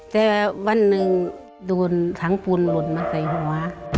แต่วันหนึ่งโดนถังปูนหล่นมาใส่หัว